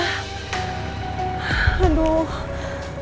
awet masih peduli